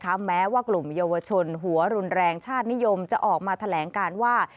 แม้ว่ากลุ่มเยาวชนหัวรุนแรงชาตินิยมจะออกมาแถลงการว่า